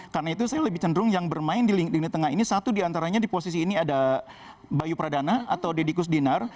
karena itu saya lebih cenderung yang bermain di lini tengah ini satu diantaranya di posisi ini ada bayu pradana atau dedikus dinar